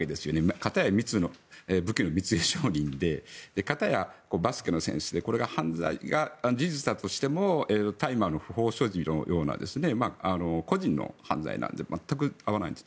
片や武器の密輸商人で片やバスケの選手でこれが、犯罪が事実だとしても大麻の不法所持のような個人の犯罪なので全く合わないんです。